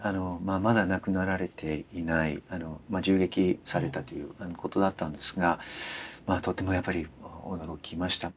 まだ亡くなられていない銃撃されたということだったんですがとてもやっぱり驚きました。